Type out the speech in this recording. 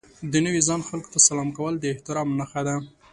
د نوي ځای خلکو ته سلام کول د احترام نښه ده.